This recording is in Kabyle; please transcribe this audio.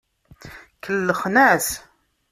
Kellxen-as.